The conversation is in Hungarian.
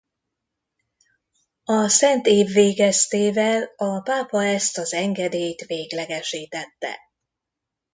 A szentév végeztével a pápa ezt az engedélyt véglegesítette.